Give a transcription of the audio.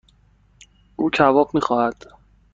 او کباب میخواهد.